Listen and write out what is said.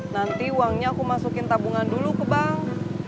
nanti uangnya aku masukin tabungan dulu ke bank